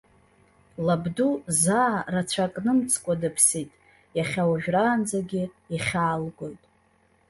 Лабду заа, рацәак нымҵкәа дыԥсит, иахьа уажәраанӡагьы ихьаалгоит.